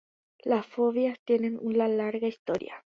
Las fobias tienen una larga historia.